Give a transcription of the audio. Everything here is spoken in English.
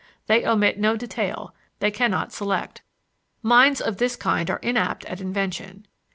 They omit no detail, they cannot select. Minds of this kind are inapt at invention.